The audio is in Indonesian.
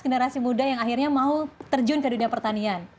generasi muda yang akhirnya mau terjun ke dunia pertanian